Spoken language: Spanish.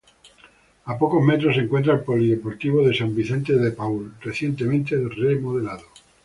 A pocos metros se encuentra el polideportivo de San Vicente de Paúl, recientemente remodelado.